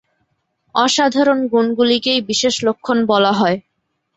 অসাধরণ গুণগুলিকেই বিশেষ লক্ষণ বলা হয়।